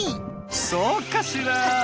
そうかしら？